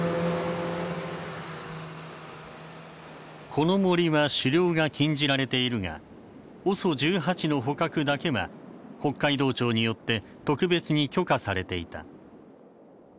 この森は狩猟が禁じられているがＯＳＯ１８の捕獲だけは北海道庁によって特別に許可されていた。